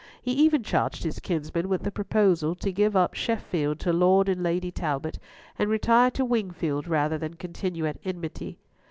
He even charged his kinsman with the proposal to give up Sheffield to Lord and Lady Talbot and retire to Wingfield rather than continue at enmity.